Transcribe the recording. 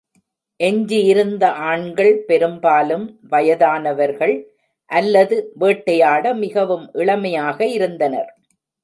எஞ்சியிருந்த ஆண்கள் பெரும்பாலும் வயதானவர்கள் அல்லது வேட்டையாட மிகவும் இளமையாக இருந்தனர்.